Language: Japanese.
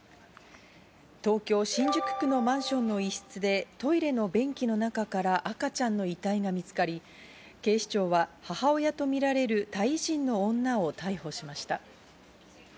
東京・新宿区のマンションの一室でトイレの便器の中から赤ちゃんの遺体が見つかり、警視庁は母親とみられるタイ人の女を逮捕しました。